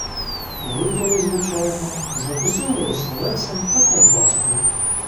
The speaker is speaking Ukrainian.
Випили, звичайно, закусили оселедцем та ковбаскою.